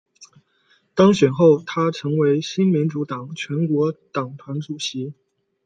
当选后她成为新民主党全国党团主席。